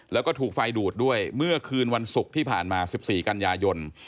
แล้วก็ถูกไฟดูดด้วยเมื่อคืนวันศุกร์ที่ผ่านมา๑๔กันยายน